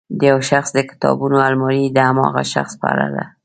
د یو شخص د کتابونو المارۍ د هماغه شخص په اړه.